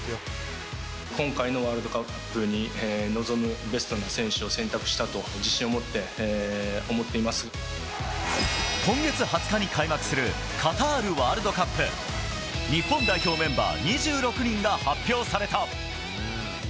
今回のワールドカップに臨むベストな選手を選択したと、今月２０日に開幕するカタールワールドカップ。日本代表メンバー２６人が発表された。